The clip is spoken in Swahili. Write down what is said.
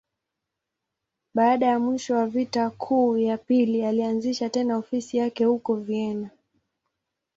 Baada ya mwisho wa Vita Kuu ya Pili, alianzisha tena ofisi yake huko Vienna.